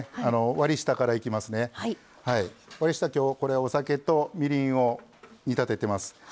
割り下きょうこれお酒とみりんを煮立ててます。